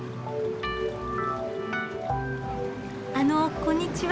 あのこんにちは。